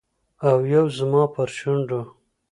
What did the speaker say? او یو زما پر شونډو